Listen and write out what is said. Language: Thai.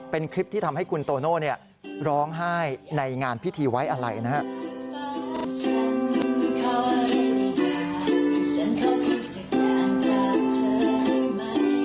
เป็นคลิปที่ทำให้คุณโตโน่ร้องไห้ในงานพิธีไว้อะไรนะครับ